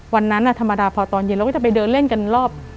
วันนั้นธรรมดาพอตอนเย็นเราก็จะไปเดินเล่นกันรอบ